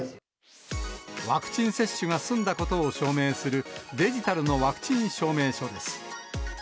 ワクチン接種が済んだことを証明する、デジタルのワクチン証明書です。